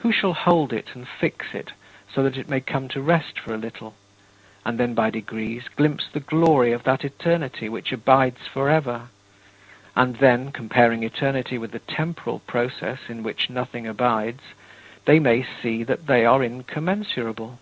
Who shall hold it and fix it so that it may come to rest for a little; and then, by degrees, glimpse the glory of that eternity which abides forever; and then, comparing eternity with the temporal process in which nothing abides, they may see that they are incommensurable?